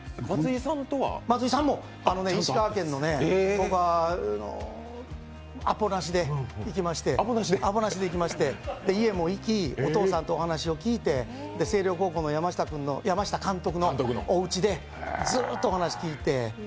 松井さんとも石川県、アポなしでいきまして、家も行き、お父さんのお話を聞いて星稜高校の山下監督のおうちでずっとお話を聞いて。